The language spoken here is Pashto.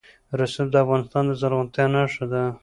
رسوب د افغانستان د زرغونتیا نښه ده.